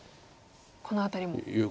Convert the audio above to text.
この辺りも。